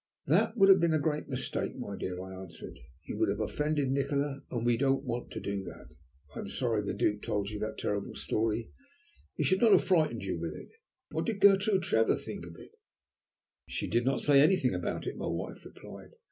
"That would have been a great mistake, my dear," I answered. "You would have offended Nikola, and we don't want to do that. I am sorry the Duke told you that terrible story. He should not have frightened you with it. What did Gertrude Trevor think of it?" "She did not say anything about it," my wife replied.